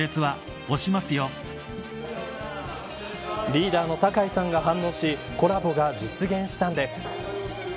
リーダーの酒井さんが反応しコラボが実現したんです。